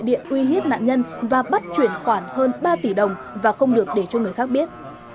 điện uy hiếp nạn nhân và bắt chuyển khoản hơn ba tỷ đồng và không được để cho người khác biết